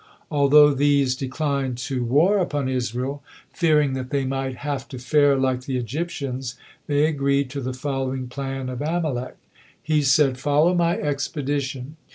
Although these declined to war upon Israel, fearing that they might have to fare like the Egyptians, they agreed to the following plan of Amalek. He said: "Follow my expedition.